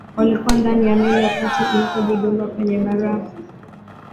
walikuwa ndani ya meli wakati ilipojigonga kwenye barafu